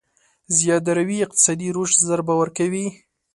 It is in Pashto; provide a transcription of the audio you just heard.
زياده روي اقتصادي رشد ضربه ورکوي.